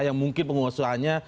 yang mungkin penguasanya